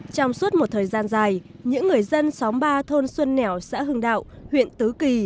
trong suốt một thời gian dài những người dân xóm ba thôn xuân nẻo xã hưng đạo huyện tứ kỳ